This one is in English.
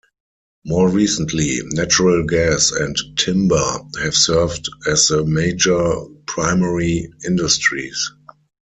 More recently, natural gas and timber have served as the major primary industries.